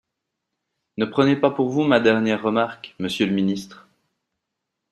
Ne prenez pas pour vous ma dernière remarque, monsieur le ministre.